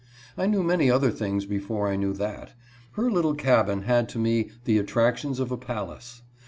I knew many other things before I knew that. Her little cabin had to me the attractions of a palace.